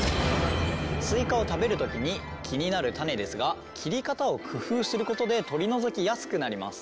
スイカを食べる時に気になる種ですが切り方を工夫することで取り除きやすくなります。